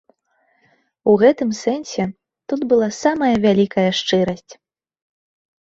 У гэтым сэнсе тут была самая вялікая шчырасць.